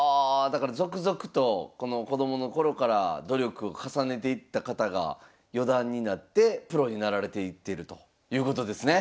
だから続々と子供の頃から努力を重ねていった方が四段になってプロになられていってるということですね。